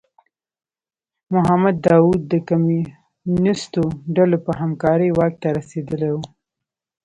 محمد داوود د کمونیستو ډلو په همکارۍ واک ته رسېدلی و.